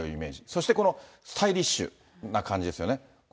そしてこのスタイリッシュな感じですよね。